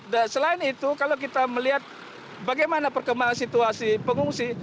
dan selain itu kalau kita melihat bagaimana perkembangan situasi pengungsi